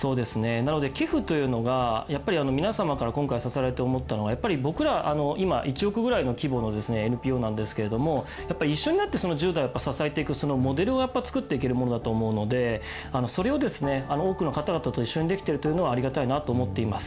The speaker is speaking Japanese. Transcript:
なので寄付というのが、やっぱり皆様から今回支えられて思ったのが、やっぱり僕らは、今１億くらいの規模のＮＰＯなんですけれども、一緒になって１０代を支えていくモデルを作っていけるものだと思うので、それを多くの方々と一緒にできてるというのはありがたいなと思っています。